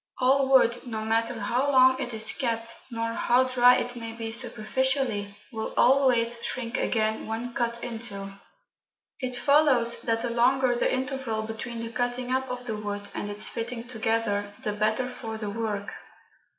All wood, no matter how long it is kept, nor how dry it may be superficially, will always shrink again when cut into. It follows that the longer the interval between the cutting up of the wood, and its fitting together, the better for the work.